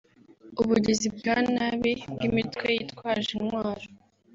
ubugizi bwa nabi bw’imitwe yitwaje intwaro